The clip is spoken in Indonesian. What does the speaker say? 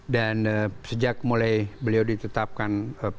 sejak mulai beliau ditetapkan